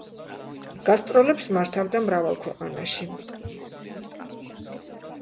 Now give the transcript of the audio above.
გასტროლებს მართავდა მრავალ ქვეყანაში.